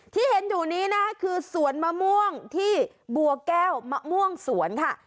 ที่เห็นอยู่นี้นะคะคือสวนมะม่วงที่บัวแก้วมะม่วงสวนค่ะ